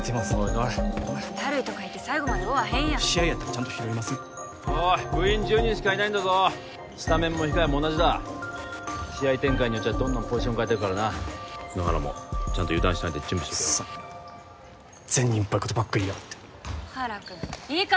おい野原ダルいとか言って最後まで追わへんやん試合やったらちゃんと拾いますおい部員１０人しかいないんだぞスタメンも控えも同じだ試合展開によっちゃどんどんポジションかえていくからな野原もちゃんと油断しないで準備しとけようっさいな善人っぽいことばっか言いやがって野原くん言い方！